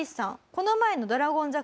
この前の『ドラゴン桜』